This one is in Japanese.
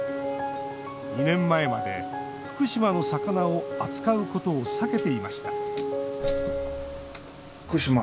２年前まで福島の魚を扱うことを避けていました